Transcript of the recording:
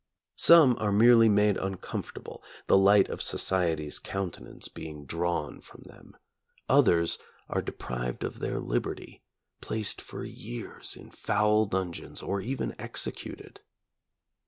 Some are merely made uncom fortable, the light of society's countenance being drawn from them; others are deprived of their liberty, placed for years in foul dungeons, or even executed.